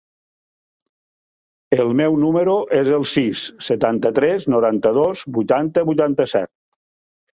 El meu número es el sis, setanta-tres, noranta-dos, vuitanta, vuitanta-set.